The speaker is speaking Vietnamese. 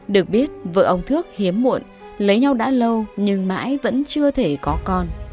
được biết vợ ông thước hiếm muộn lấy nhau đã lâu nhưng mãi vẫn chưa thể có con